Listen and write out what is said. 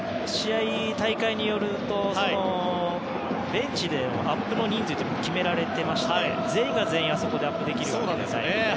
大会によってはベンチでアップの人数も決められていまして全員が全員あそこでアップできるわけじゃないんです。